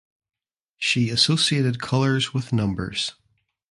She associated colours with numbers.